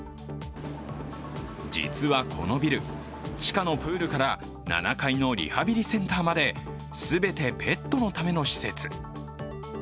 実はこのビル、地下のプールから７階のリハビリセンターまで全てペットのための施設。